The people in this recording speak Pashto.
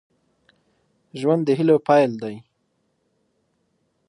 ژوند د هيلو پيل دی.